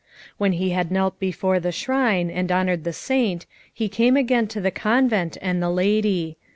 When he had knelt before the shrine, and honoured the Saint, he came again to the convent and the lady.